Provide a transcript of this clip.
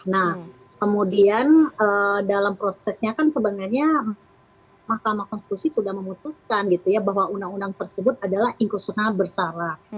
nah kemudian dalam prosesnya kan sebenarnya mahkamah konstitusi sudah memutuskan gitu ya bahwa undang undang tersebut adalah inklusional bersalah